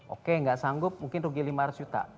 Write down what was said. oke nggak sanggup mungkin rugi lima ratus juta